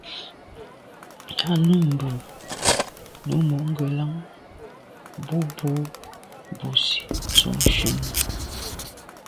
A num mbe num mo’ ngelan mbù bo busi tsho shune.